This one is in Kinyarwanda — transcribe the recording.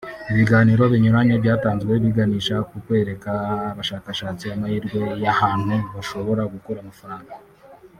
Ibiganiro binyuranye byatanzwe biganisha ku kwereka abashakashatsi amahirwe y’ahantu bashobora gukura amafaranga